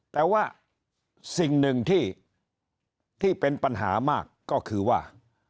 แต่ว่าสิ่งหนึ่งที่เป็นปัญหามากก็คือว่า